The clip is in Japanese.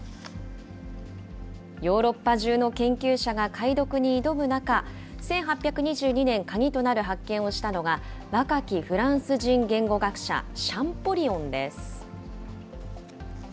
ヨーロッパ中の研究者が解読に挑む中、１８２２年、鍵となる発見をしたのが、若きフランス人言語学者、シャンポリオンです。